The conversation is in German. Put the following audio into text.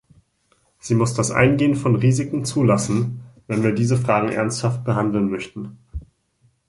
Sie muss das Eingehen von Risiken zulassen, wenn wir diese Fragen ernsthaft behandeln möchten.